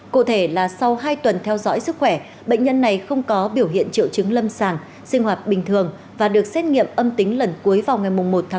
cụ thể là sau hai tuần theo dõi sức khỏe bệnh nhân này không có biểu hiện triệu chứng lâm sàng sinh hoạt bình thường và được xét nghiệm âm tính lần cuối vào ngày một một hai nghìn hai mươi hai